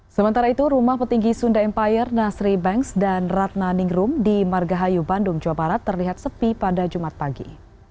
sementara itu rumah petinggi sunda empire nasri banks dan ratna ningrum di margahayu bandung jawa barat terlihat sepi pada jumat pagi